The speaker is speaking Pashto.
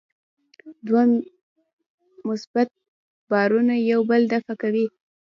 دوه مثبت بارونه یو بل دفع کوي.